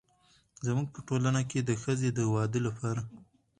زموږ په ټولنه کې د ښځې د واده لپاره